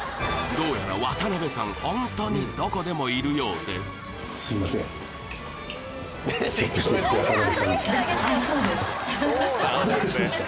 どうやら渡辺さんホントにどこでもいるようで渡辺さんですか？